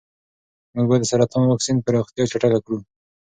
موږ باید د سرطان واکسین پراختیا چټکه کړو.